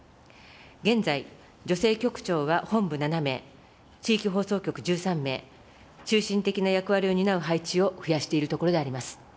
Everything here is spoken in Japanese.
現在、女性局長は本部７名、地域放送局１３名、中心的な役割を担う配置を増やしているところであります。